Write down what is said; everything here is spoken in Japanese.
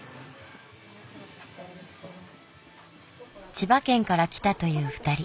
千葉県から来たという２人。